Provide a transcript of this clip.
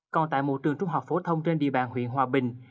còn tại một trường trung học phổ thông trên địa bàn huyện hòa bình